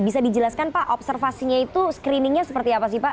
bisa dijelaskan pak observasinya itu screeningnya seperti apa sih pak